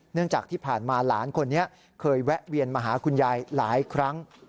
จากที่ผ่านมาหลานคนนี้เคยแวะเวียนมาหาคุณยายหลายครั้ง